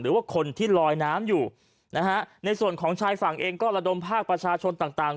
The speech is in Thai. หรือว่าคนที่ลอยน้ำอยู่นะฮะในส่วนของชายฝั่งเองก็ระดมภาคประชาชนต่างต่าง